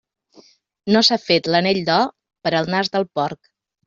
No s'ha fet l'anell d'or per al nas del porc.